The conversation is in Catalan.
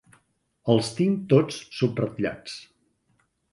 Els tinc tots subratllats.